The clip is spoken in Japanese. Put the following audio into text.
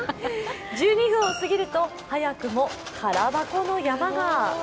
１２分を過ぎると早くも空箱の山が。